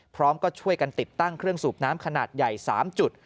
พร้อมก็ช่วยกันติดตั้งเครื่องสูบน้ำขนาดใหญ่๓จุด